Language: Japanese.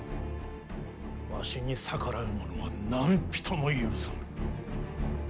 わしに逆らう者は何人も許さぬ。